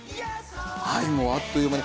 もう、あっという間に。